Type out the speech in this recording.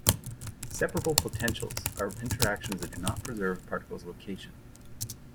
Separable potentials are interactions that do not preserve a particle's location.